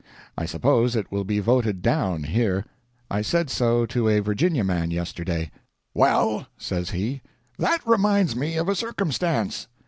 I suppose it will be voted down here. I said so to a Virginia man yesterday. "Well," says he, "that reminds me of a circumstance.